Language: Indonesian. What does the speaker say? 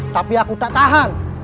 tapi aku tak tahan